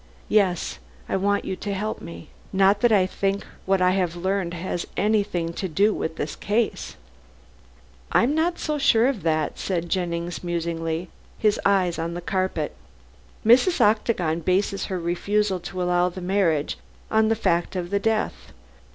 "Yes. I want you to help me. Not that I think what I have learned has anything to do with the case." "I'm not so sure of that," said Jennings musingly, his eyes on the carpet. "Mrs. Octagon bases her refusal to allow the marriage on the fact of the death.